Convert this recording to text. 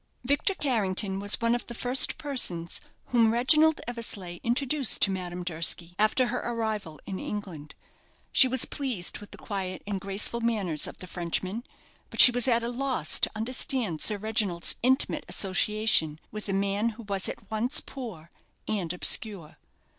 Victor Carrington was one of the first persons whom Reginald Eversleigh introduced to Madame Durski after her arrival in England. She was pleased with the quiet and graceful manners of the Frenchman; but she was at a loss to understand Sir Reginald's intimate association with a man who was at once poor and obscure.